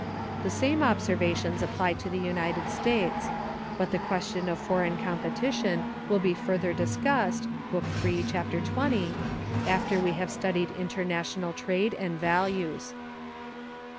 The same observations apply to the United States; but the question of foreign competition will be further discussed (Book III, Chap. XX) after we have studied international trade and values.